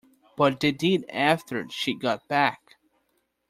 But they did after she got back.